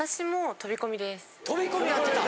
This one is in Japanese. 飛び込みやってた！？